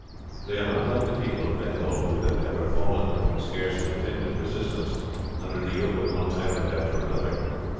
They are not like the people of Bengal, who have ever fallen, with scarce an attempt at resistance, under the yoke of one tyrant after another.